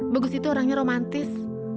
bagus itu orangnya romantis